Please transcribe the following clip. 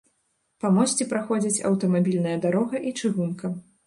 Па мосце праходзяць аўтамабільная дарога і чыгунка.